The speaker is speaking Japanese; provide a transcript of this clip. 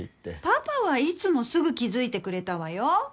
パパはいつもすぐ気付いてくれたわよ。